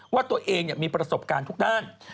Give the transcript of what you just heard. ว่าตัวเองมีประสบการณ์ทุกด้าน